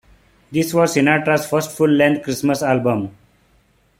This was Sinatra's first full-length Christmas album.